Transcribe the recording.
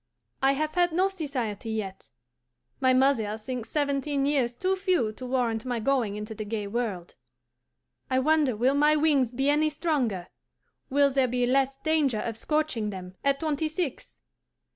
I have had no society yet. My mother thinks seventeen years too few to warrant my going into the gay world. I wonder will my wings be any stronger, will there be less danger of scorching them at twenty six?